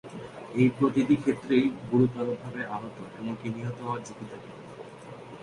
এই প্রতিটি ক্ষেত্রেই গুরুতরভাবে আহত এমনকি নিহত হওয়ার ঝুঁকি থাকে।